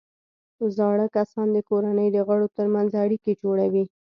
زاړه کسان د کورنۍ د غړو ترمنځ اړیکې جوړوي